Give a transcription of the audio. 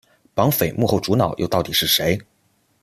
绑匪幕后主脑又到底是谁？